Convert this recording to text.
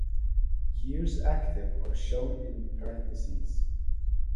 Years active are shown in parentheses.